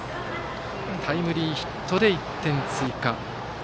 タイムリーヒットで１点追加。